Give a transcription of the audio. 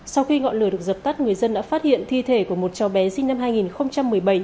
sau khi ngọn lửa được dập tắt người dân đã phát hiện thi thể của một cháu bé sinh năm hai nghìn một mươi bảy